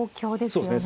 そうですね。